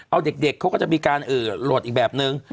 เอาเด็กเขาก็จะมีการโหลดอีกแบบนึง